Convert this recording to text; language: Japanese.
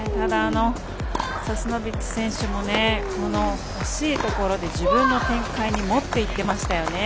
サスノビッチ選手もほしいところで自分の展開に持っていきましたよね。